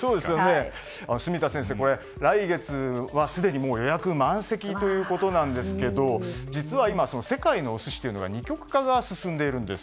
住田先生、来月はすでに予約満席ということですが実は今、世界のお寿司二極化が進んでいるんです。